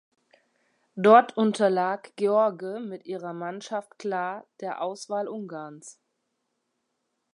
Dort unterlag Gheorghe mit ihrer Mannschaft klar der Auswahl Ungarns.